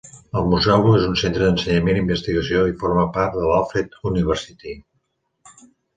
El museu és un centre d'ensenyament i investigació i forma part de l'Alfred University.